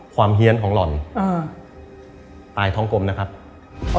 ความเฮียนของหล่อนตายท้องกลมนะครับ